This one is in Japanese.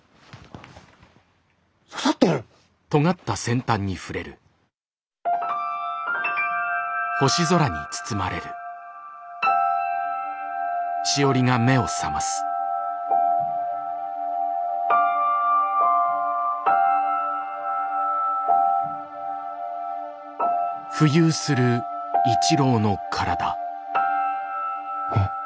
刺さってる？え！？